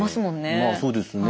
まあそうですね。